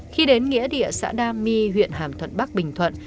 khi đến nghĩa địa xã đa my huyện hàm thuận bắc bình thuận